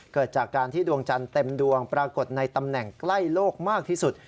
เกิดจากการที่ดวงจันทร์เต็มดวงปรากฏในตำแหน่งใกล้โลกมากที่สุด